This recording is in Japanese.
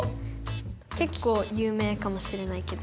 けっこう有名かもしれないけど。